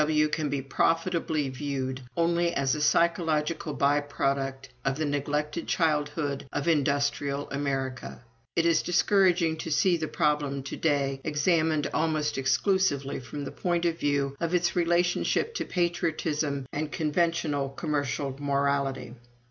W.W. can be profitably viewed only as a psychological by product of the neglected childhood of industrial America. It is discouraging to see the problem to day examined almost exclusively from the point of view of its relation to patriotism and conventional ventional commercial morality.